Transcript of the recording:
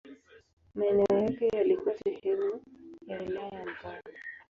Maeneo yake yalikuwa sehemu ya wilaya ya Mpanda.